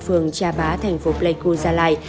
phường trà bá thành phố pleiku gia lai